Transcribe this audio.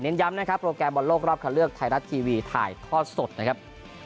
ย้ำนะครับโปรแกรมบอลโลกรอบคันเลือกไทยรัฐทีวีถ่ายทอดสดนะครับ